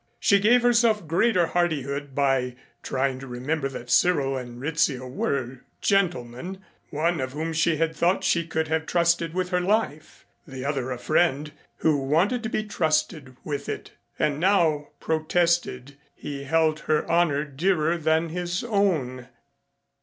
She gave herself greater hardihood by trying to remember that Cyril and Rizzio were gentlemen, one of whom she had thought she could have trusted with her life, the other a friend who wanted to be trusted with it and now protested he held her honor dearer than his own.